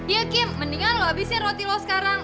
iya kim mendingan lo abisin roti lo sekarang